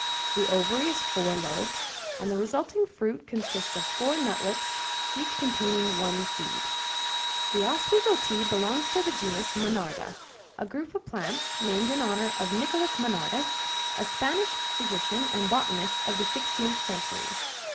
The ovary is four lobed, and the resulting fruit consists of four nutlets, each containing one seed. The Oswego Tea belongs to the genus Monarda, a group of plants named in honor of Nicolas Monardes, a Spanish physician and botanist of the sixteenth century.